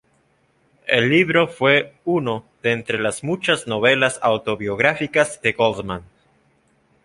El libro fue uno de entre las muchas novelas autobiográficas de Goldman.